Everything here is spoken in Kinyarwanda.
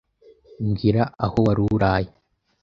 Mbwira aho wari uraye.